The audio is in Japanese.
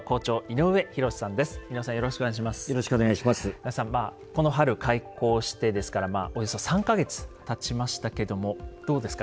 井上さんこの春開校してですからおよそ３か月たちましたけどもどうですか